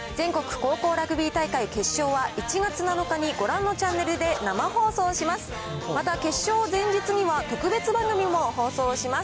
全国高校ラグビー大会決勝は１月７日にご覧のチャンネルで生放送します。